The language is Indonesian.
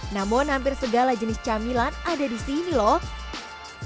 namun hampir segala jenis camilan ada di sini loh